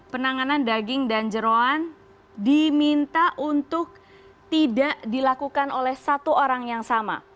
penanganan daging dan jerawan diminta untuk tidak dilakukan oleh satu orang yang sama